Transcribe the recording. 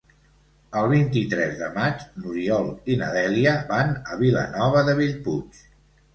El vint-i-tres de maig n'Oriol i na Dèlia van a Vilanova de Bellpuig.